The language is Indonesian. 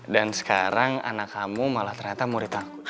dan sekarang anak kamu malah ternyata murid aku